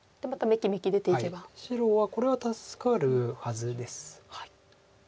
白はこれは助かるはずです。